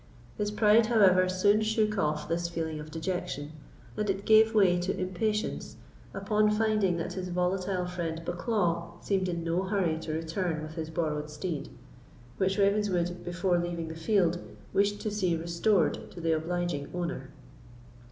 His pride, however, soon shook off this feeling of dejection, and it gave way to impatience upon finding that his volatile friend Bucklaw seemed in no hurry to return with his borrowed steed, which Ravenswood, before leaving the field, wished to see restored to the obliging owner.